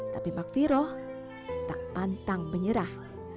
tapi makfiroh tak pantang menyerah